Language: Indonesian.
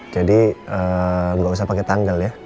jadi gak usah pakai tanggal ya